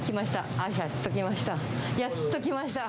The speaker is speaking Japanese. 来ました。